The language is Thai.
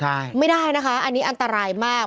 ใช่ไม่ได้นะคะอันนี้อันตรายมาก